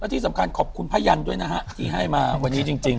ที่สำคัญขอบคุณพระยันด้วยนะฮะที่ให้มาวันนี้จริง